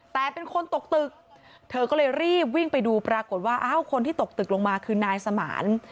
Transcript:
แต่เป็นคนตกตึกเธอก็เลยรีบวิ่งไปดูปรากฏว่าอ้าวคนที่ตกตึกลงมาคือนายสมาน